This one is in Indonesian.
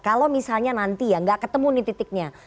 kalau misalnya nanti ya nggak ketemu nih titiknya